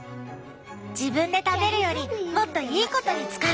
自分で食べるよりもっといいことに使うよね。